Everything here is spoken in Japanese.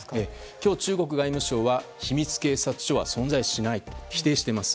今日、中国外務省は秘密警察署は存在しないと否定しています。